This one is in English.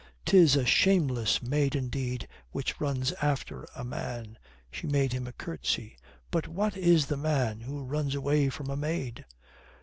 "'Tis a shameless maid indeed which runs after a man" she made him a curtsy. "But what is the man who runs away from a maid?"